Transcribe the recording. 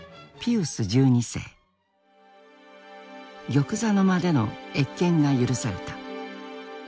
玉座の間での謁見が許された。